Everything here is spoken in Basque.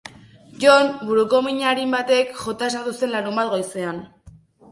Jon buruko min arin batek jota esnatu zen larunbat goizean.